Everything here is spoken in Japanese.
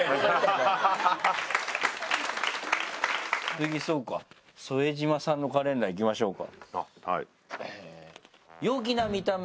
次そうか副島さんのカレンダーいきましょうか。